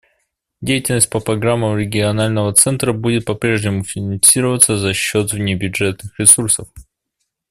Деятельность по программам Регионального центра будет попрежнему финансироваться за счет внебюджетных ресурсов.